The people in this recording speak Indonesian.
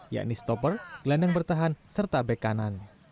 yakni stopper gelandang bertahan serta back kanan